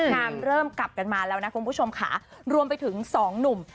เริ่มกลับกันมาแล้วนะคุณผู้ชมค่ะรวมไปถึงสองหนุ่ม